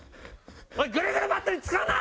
グルグルバットに使うな！